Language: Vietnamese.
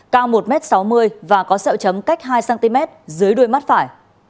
cao một m sáu mươi và có sẹo chấm cách hai cm dưới đuôi mắt phải